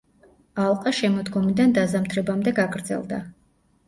ალყა შემოდგომიდან დაზამთრებამდე გაგრძელდა.